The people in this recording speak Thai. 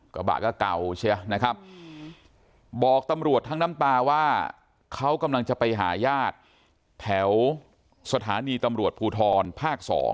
กระบะก็เก่าเชียนะครับบอกตำรวจทั้งน้ำตาว่าเขากำลังจะไปหาญาติแถวสถานีตำรวจภูทรภาค๒